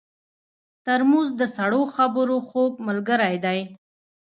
ترموز د سړو خبرو خوږ ملګری دی.